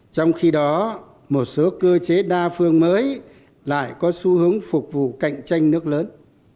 trong khi đó một số cơ chế đa phương mới lại có xu hướng phục vụ cạnh tranh nước lớn